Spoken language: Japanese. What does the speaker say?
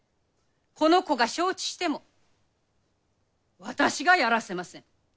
この子が承知しても私がやらせません。